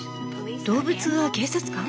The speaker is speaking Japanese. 動物は警察官？